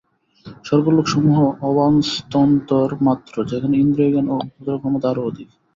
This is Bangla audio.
স্বর্গলোকসমূহ অবস্থান্তর মাত্র, যেখানে ইন্দ্রিয়জ্ঞান ও উচ্চতর ক্ষমতা আরও অধিক।